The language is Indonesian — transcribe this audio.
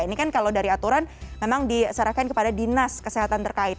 ini kan kalau dari aturan memang diserahkan kepada dinas kesehatan terkait